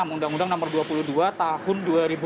undang undang nomor dua puluh dua tahun dua ribu dua